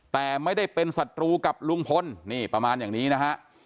แต่ไม่ได้เป็นศัตรูกับลุงพลนี่ประมาณอย่างนี้นะฮะ